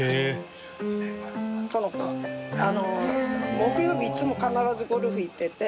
木曜日いつも必ずゴルフ行ってて。